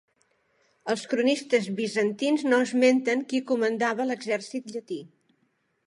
Els cronistes bizantins no esmenten qui comandava l'exèrcit llatí.